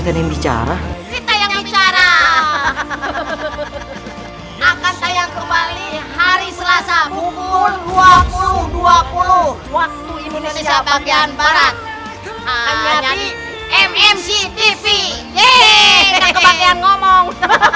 tak kebanyakan ngomong